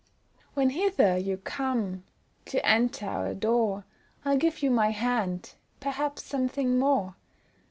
When hither you come, do enter our door, I'll give you my hand, perhaps something more.